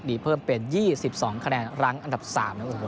มีเพิ่มเป็น๒๒คะแนนรั้งอันดับ๓นะครับ